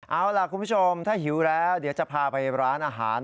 เอาล่ะคุณผู้ชมถ้าหิวแล้วเดี๋ยวจะพาไปร้านอาหาร